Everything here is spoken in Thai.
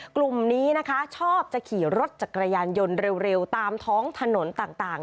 กลุ่มนี้นะคะชอบจะขี่รถจักรยานยนต์เร็วตามท้องถนนต่าง